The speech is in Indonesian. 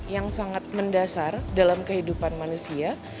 yang sangat mendasar dalam kehidupan manusia